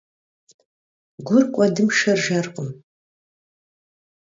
Gur k'uedım şşır jjerkhım.